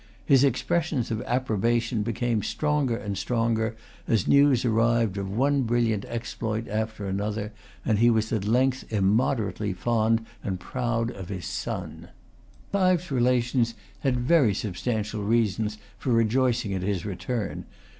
His expressions of approbation became stronger and stronger as news arrived of one brilliant exploit after another; and he was at length immoderately fond and proud of his son. Clive's relations had very substantial reasons for rejoicing at his return.